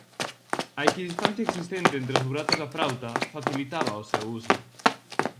A equidistancia existente entre os buratos da frauta facilitaba o seu uso.